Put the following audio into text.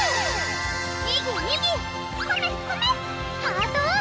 ハートを！